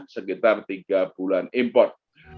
sekitar tiga bulan import